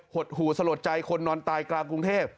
หดหู่สลดใจคนนอนตายกลางกรุงเทพ